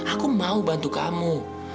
aku mau bantu kamu